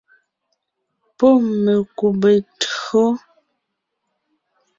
Pɔ́ mekùbe tÿǒ.